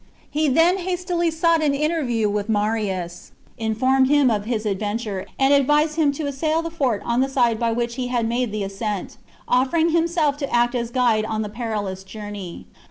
He then hastily sought an interview with Marius, informed him of his adventure, and advised him to assail the fort on the side by which he had made the ascent, offering himself to act as guide on the perilous journey.